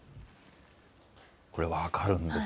これ、分かるんです。